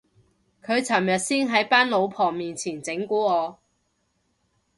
佢尋日先喺班老婆面前整蠱我